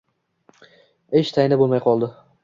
Ish tayini bo‘lmay qoldi.